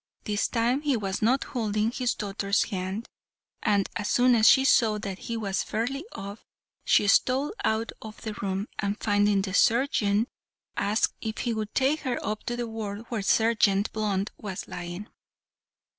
This time he was not holding his daughter's hand, and as soon as she saw that he was fairly off she stole out of the room, and finding the surgeon, asked if he would take her up to the ward where Sergeant Blunt was lying.